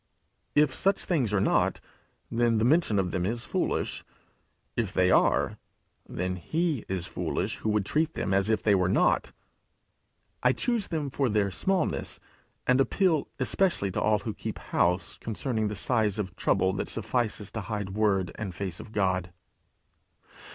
If such things are not, then the mention of them is foolish. If they are, then he is foolish who would treat them as if they were not. I choose them for their smallness, and appeal especially to all who keep house concerning the size of trouble that suffices to hide word and face of God.